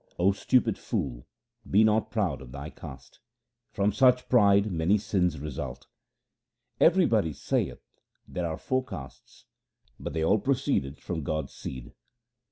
O stupid fool, be not proud of thy caste ; From such pride many sins result. Everybody saith there are four castes, But they all proceeded from God's seed.